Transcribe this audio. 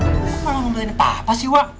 bukan malah ngundulin papa sih wak